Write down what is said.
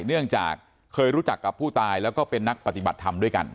เนื่องจากเคยรู้จักกับผู้ตายแล้วก็เป็นนักปฏิบัติธรรมด้วยกัน